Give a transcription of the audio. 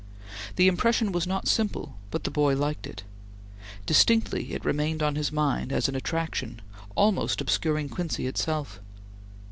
The impression was not simple, but the boy liked it: distinctly it remained on his mind as an attraction, almost obscuring Quincy itself.